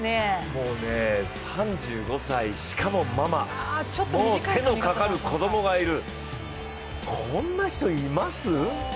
もう３５歳、しかもママ、もう手のかかる子供がいる、こんな人います？